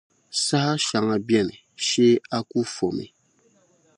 Saha shɛŋa bɛni shɛɛ aku fɔmi.